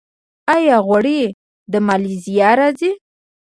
آیا غوړي له مالیزیا راځي؟